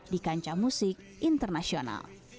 dikancah musik internasional